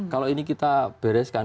kalau ini kita bereskan